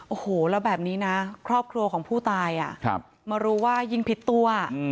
โอ้โหแล้วแบบนี้นะครอบครัวของผู้ตายมารู้ว่ายิงผิดตัว